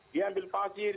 dia ambil pasir